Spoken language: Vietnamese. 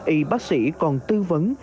y bác sĩ còn tư vấn